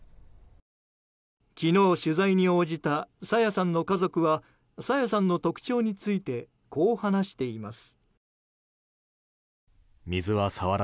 昨日、取材に応じた朝芽さんの家族は朝芽さんの特徴についてこう話しています。